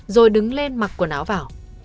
rồi đứng lên mặc quần áo vào